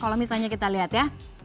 kalau misalnya kita lihat ya